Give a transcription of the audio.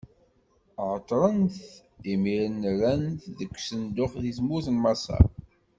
Ɛeṭṭren-t, imiren rran-t deg usenduq, di tmurt n Maṣer.